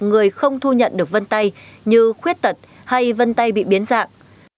người không thu nhận được vân tay như khuyết tật hay vân tay bị biến dạng